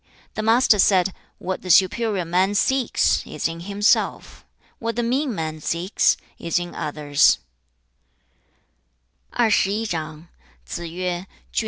The Master said, 'What the superior man seeks, is in himself. What the mean man seeks, is in others.'